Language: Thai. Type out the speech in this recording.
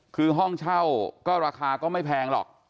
คือห้องเช่าก็ราคาก็ไม่แพงหรอก